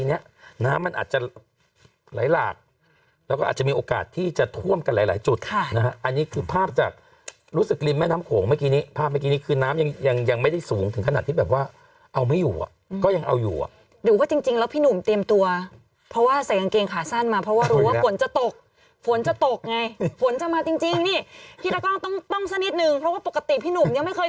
อันนี้คือภาพจากรู้สึกริมแม่น้ำโขงเมื่อกี้นี้ภาพเมื่อกี้นี้คือน้ำยังไม่ได้สูงถึงขนาดที่แบบว่าเอาไม่อยู่อะก็ยังเอาอยู่อะหรือว่าจริงแล้วพี่หนุ่มเตรียมตัวเพราะว่าใส่กางเกงขาสั้นมาเพราะว่ารู้ว่าฝนจะตกฝนจะตกไงฝนจะมาจริงนี่พี่ต้องต้องซะนิดนึงเพราะว่าปกติพี่หนุ่มยังไม่